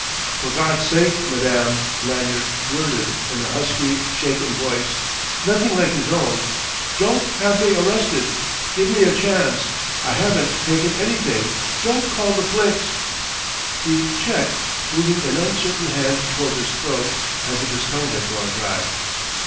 "For God's sake, madame!" Lanyard blurted in a husky, shaken voice, nothing like his own "don't have me arrested! Give me a chance! I haven't taken anything. Don't call the flics!" He checked, moving an uncertain hand towards his throat as if his tongue had gone dry.